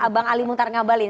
bang ali muntar ngabalin